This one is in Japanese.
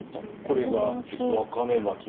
これがわかめ巻きで。